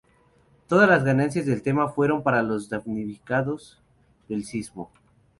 Todas las ganancias del tema fueron para los damnificados del sismo.